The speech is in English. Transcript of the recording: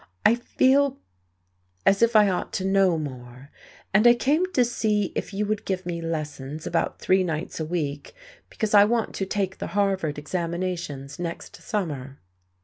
I feel as if I ought to know more. And I came to see if you would give me lessons about three nights a week, because I want to take the Harvard examinations next summer."